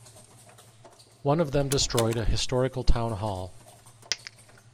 One of them destroyed a historical town hall.